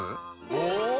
お！